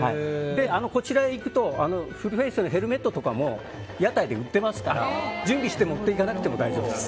こちらに行くとフルフェースのヘルメットとかも屋台で売っていますから準備して持っていかなくても大丈夫です。